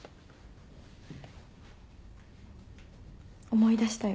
思い出したよ